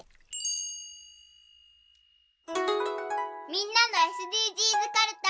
みんなのＳＤＧｓかるた。